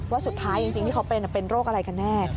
ว่าสุดท้ายจริงที่เขาเป็นเป็นโรคอะไรกันแน่